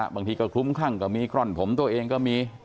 บางทีก็คลุ้มคลั่งก็มีกร่อนผมตัวเองก็มี